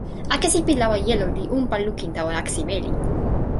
akesi pi lawa jelo li unpa lukin tawa akesi meli.